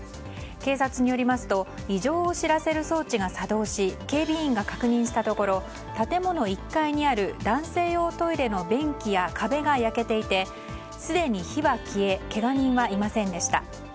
警察によりますと異常を知らせる装置が作動し警備員が確認したところ建物１階にある男性用トイレの便器や壁が焼けていてすでに火は消えけが人はいませんでした。